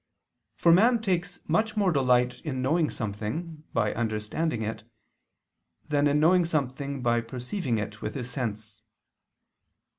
For man takes much more delight in knowing something, by understanding it, than in knowing something by perceiving it with his sense.